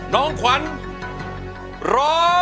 น้องขวัญร้อง